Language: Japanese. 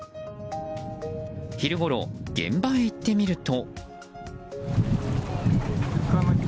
昼ごろ、現場へ行ってみると。